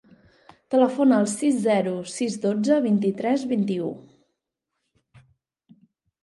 Telefona al sis, zero, sis, dotze, vint-i-tres, vint-i-u.